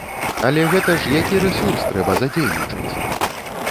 Але гэта ж які рэсурс трэба задзейнічаць!